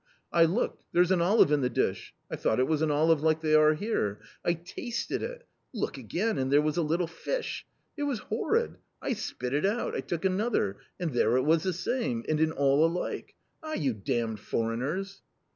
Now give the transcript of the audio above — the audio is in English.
I look, there's an olive in the dish, I thought it was an olive like they are here ; I tasted it — look again ; and there was a little fish ; it was horrid, I spit it out, I took another .... and there it was the same ; and in all alike .... ah, you damned foreigners."